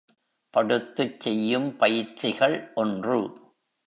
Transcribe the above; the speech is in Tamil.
படுத்துச் செய்யும் பயிற்சிகள் ஒன்று.